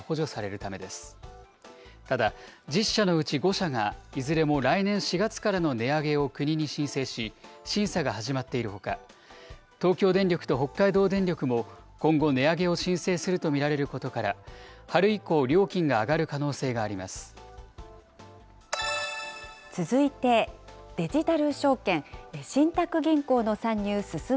ただ、１０社のうち５社が、いずれも来年４月からの値上げを国に申請し、審査が始まっているほか、東京電力と北海道電力も今後、値上げを申請すると見られることから、春以降、料金が上がる可能続いて、デジタル証券。